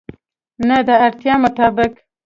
نه، د اړتیا مطابق